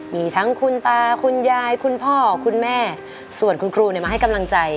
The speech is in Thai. มีทั้งคุณตาคุณยายคุณพ่อคุณแม่ส่วนคุณครูมาให้กำลังใจ